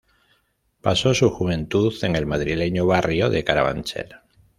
Pasó su juventud en el madrileño barrio de Carabanchel.